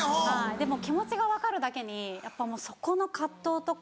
でも気持ちが分かるだけにやっぱもうそこの藤とか。